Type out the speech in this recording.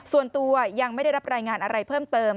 ส่วนตัวยังไม่ได้รับรายงานอะไรเพิ่มเติม